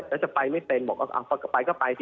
แล้วจะไปไม่เป็นบอกว่าไปก็ไปสิ